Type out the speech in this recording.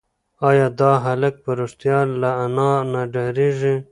ایا دا هلک په رښتیا له انا نه ډارېږي؟